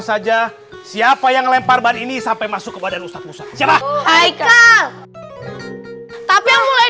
saja siapa yang lempar ban ini sampai masuk ke badan ustadz musa siapa hai kak tapi mulai